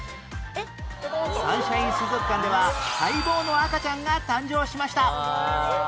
サンシャイン水族館では待望の赤ちゃんが誕生しました